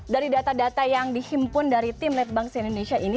dari data data yang dihimpun dari tim redbanksinindonesia ini